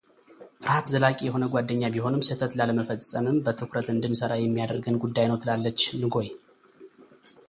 ፍርሃት ዘላቂ የሆነ ጓደኛ ቢሆንም ስህተት ላለመፈጸምም በትኩረት እንድንሠራ የሚያደርገን ጉዳይ ነው ትላለች ንጎይ።